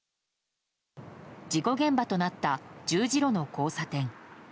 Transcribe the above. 事故現場となった十字路の交差点。